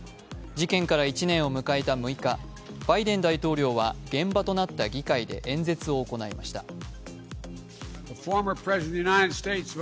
事件から１年を迎えた６日、バイデン大統領は現場となった議会で演説を行いました。